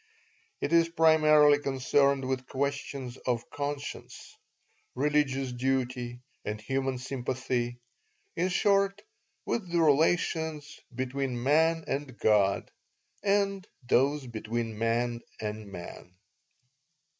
It is primarily concerned with questions of conscience, religious duty, and human sympathy in short, with the relations "between man and God" and those "between man and man."